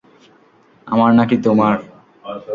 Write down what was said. আমার নাকি তোমার?